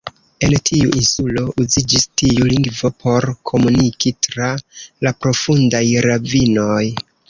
En tiu insulo uziĝis tiu lingvo por komuniki tra la profundaj ravinoj.